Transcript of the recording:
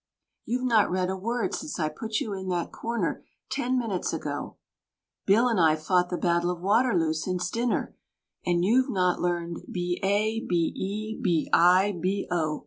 You've not read a word since I put you in that corner ten minutes ago; Bill and I've fought the battle of Waterloo since dinner, and you've not learned BA BE BI BO.